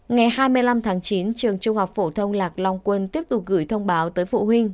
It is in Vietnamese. ngày hai mươi năm tháng chín trường trung học phổ thông lạc long quân tiếp tục gửi thông báo tới phụ huynh